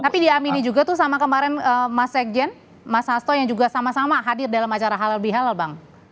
tapi diamini juga tuh sama kemarin mas sekjen mas hasto yang juga sama sama hadir dalam acara halal bihalal bang